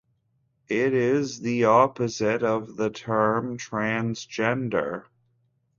It is the opposite of the term "transgender".